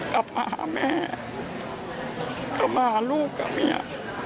กลับมาหาแม่กลับมาลูกกับเมีย